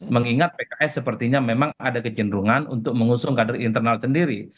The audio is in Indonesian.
mengingat pks sepertinya memang ada kecenderungan untuk mengusung kader internal sendiri